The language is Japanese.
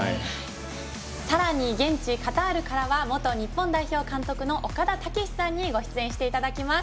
さらに現地カタールからは元日本代表監督の岡田武史さんにご出演していただきます。